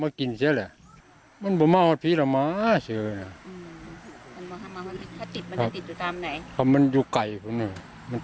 อืมมาเหมือนถ้าติดมันถ้าติดตองตามไหนเขามันอยู่ไกลคนหนึ่ง